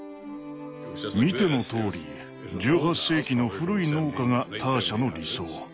見てのとおり１８世紀の古い農家がターシャの理想。